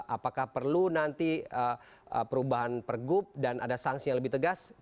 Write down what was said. apakah perlu nanti perubahan per gub dan ada sangsi yang lebih tegas